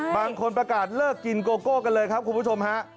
บางคนประกาศเลิกกินโกโก้กันเลยครับคุณผู้ชมฮะ